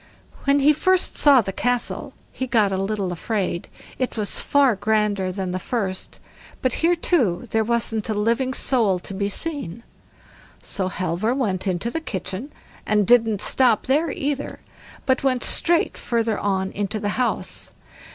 When he first saw the Castle he got a little afraid; it was far grander than the first, but here too there wasn't a living soul to be seen. So Halvor went into the kitchen, and didn't stop there either, but went strait further on into the house.